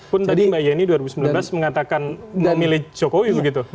pun tadi mbak yeni dua ribu sembilan belas mengatakan memilih jokowi begitu